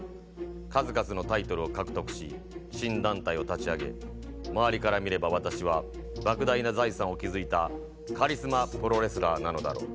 数々のタイトルを獲得し新団体を立ち上げ周りから見れば私はばく大な財産を築いたカリスマプロレスラーなのだろう。